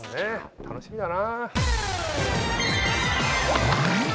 楽しみだな！